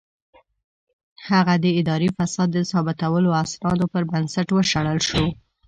هغه د اداري فساد د ثابتو اسنادو پر بنسټ وشړل شو.